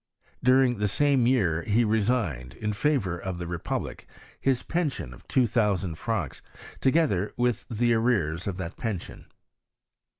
During the same year he resigned, in favour of the. republic, his pension of two thousand francs, toge ther with the arrears of that pension.